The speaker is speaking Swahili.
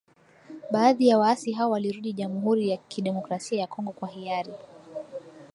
Baadhi ya waasi hao walirudi Jamhuri ya kidemokrasia ya Kongo kwa hiari.